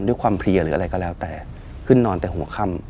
ด้วยความเพลียหรืออะไรก็แล้วแต่ขึ้นนอนแต่หัวค่ำ